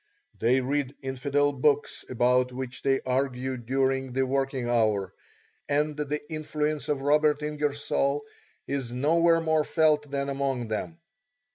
They read infidel books about which they argue during the working hour, and the influence of Robert Ingersoll is nowhere more felt than among them.